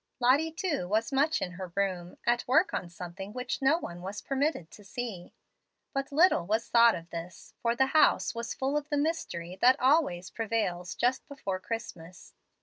Lottie, too, was much in her room, at work on something which no one was permitted to see. But little was thought of this, for the house was full of the mystery that always prevails just before Christmas.